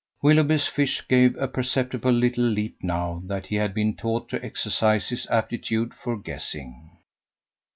Willoughby's fish gave a perceptible little leap now that he had been taught to exercise his aptitude for guessing.